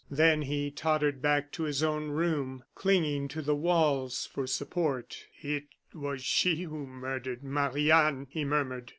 Then he tottered back to his own room, clinging to the walls for support. "It was she who murdered Marie Anne," he murmured.